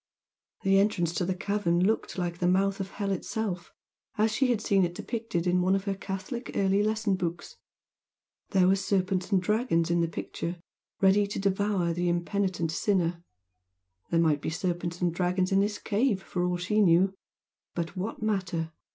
The entrance to the cavern looked like the mouth of hell itself, as she had seen it depicted in one of her Catholic early lesson books. There were serpents and dragons in the picture ready to devour the impenitent sinner, there might be serpents and dragons in this cave, for all she knew! But what matter?